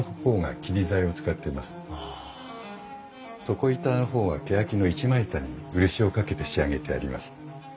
床板の方はけやきの一枚板に漆をかけて仕上げてあります。